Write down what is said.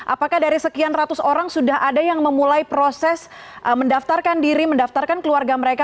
apakah dari sekian ratus orang sudah ada yang memulai proses mendaftarkan diri mendaftarkan keluarga mereka